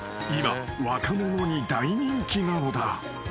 ［今若者に大人気なのだ］